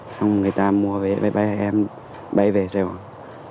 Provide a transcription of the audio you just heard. xong người ta mua vé bay em bay về xe hoàng